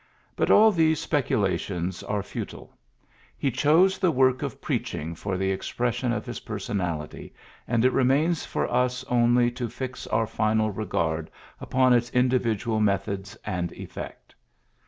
But all these speculations are futile. 112 PHILLIPS BEOOKS He chose the work of preaching for the expression of his personality, and it remains for us only to fix our final regard upon its individual methods and effect.